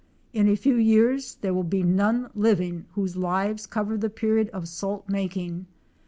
In a few years there will be none living whose lives cover the period of salt making.